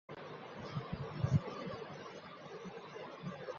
একজন Iraqi pilot শেষ বিমানটির উড্ডয়ন পরিচালনা করেছিল।